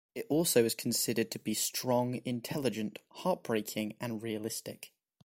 It also is considered to be strong, intelligent, heart-breaking and realistic.